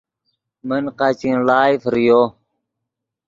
من قاچین ڑائے فریو